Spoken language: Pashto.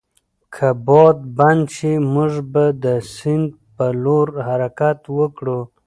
که باد بند شي، موږ به د سیند پر لور حرکت وکړو.